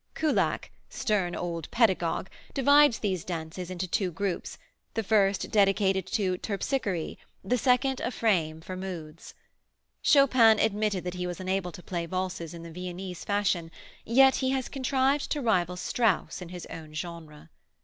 Kullak, stern old pedagogue, divides these dances into two groups, the first dedicated to "Terpsichore," the second a frame for moods. Chopin admitted that he was unable to play valses in the Viennese fashion, yet he has contrived to rival Strauss in his own genre.